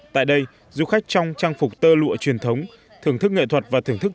tại đây du khách trong trang phục tơ lụa truyền thống thưởng thức nghệ thuật và thưởng thức